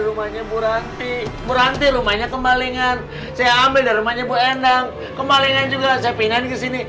rumahnya bu ranti bu ranti rumahnya kemalingan saya ambil rumahnya bu endang kemalingan juga saya pindahin ke sini